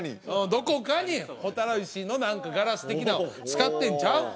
どこかに蛍石の何かガラス的なんを使ってんちゃう？